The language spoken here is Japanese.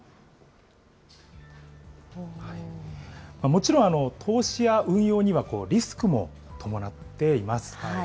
もちろん、投資や運用にはリスクも伴っています。